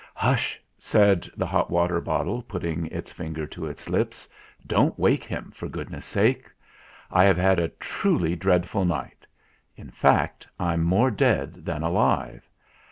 "Hush!" said the hot water bottle, putting its finger to its lips ; "don't wake him, for good ness' sake. I have had a truly dreadful night ; in fact, I'm more dead than alive.